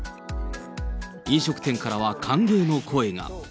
飲食店からは歓迎の声が。